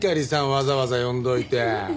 わざわざ呼んでおいて。